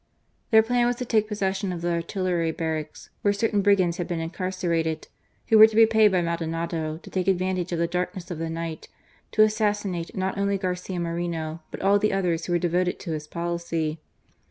Their plan was to take possession of the artillery barracks, where certain brigands had been incar cerated, who were to be paid by Maldonado to take advantage of the darkness of the night, to assassi nate not only Garcia Moreno, but all the others who were devoted to his policy.